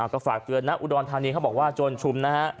ก็ฝากเตือนนะอุดรธานีเขาบอกว่าโจรชุมนะฮะ